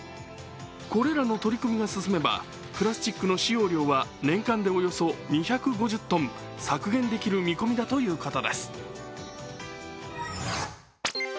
これらの取り組みが進めばプラスチックの使用量は年間でおよそ２５０トン削減できる見込みだということです。